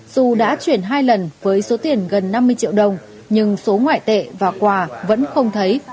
dù đã chuyển hai lần với số tiền gần năm mươi triệu đồng nhưng số ngoại tệ và quà vẫn không thấy